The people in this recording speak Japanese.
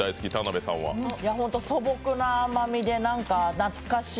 素朴な甘みでなんか懐かしい。